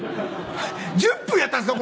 １０分やったんですか？